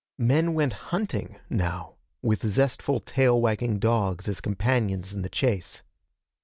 Men went hunting, now, with zestful tail wagging dogs as companions in the chase.